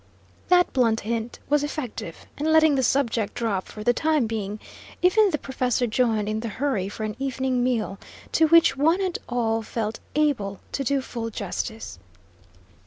That blunt hint was effective, and, letting the subject drop for the time being, even the professor joined in the hurry for an evening meal, to which one and all felt able to do full justice.